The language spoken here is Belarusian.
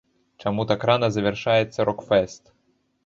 Чаму так рана завяршаецца рок-фэст?